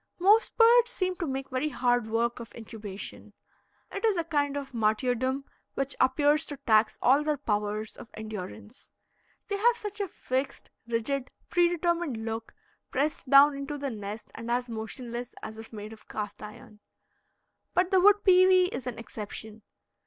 Most birds seem to make very hard work of incubation. It is a kind of martyrdom which appears to tax all their powers of endurance. They have such a fixed, rigid, predetermined look, pressed down into the nest and as motionless as if made of cast iron. But the wood pewee is an exception.